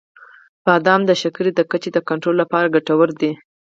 • بادام د شکر د کچې د کنټرول لپاره ګټور دي.